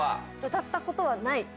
歌ったことはない。